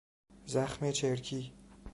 زخم چرکی